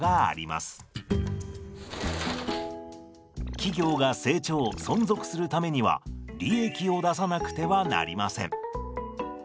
企業が成長存続するためには利益を出さなくてはなりません。